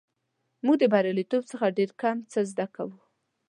موږ د بریالیتوب څخه ډېر کم څه زده کوو.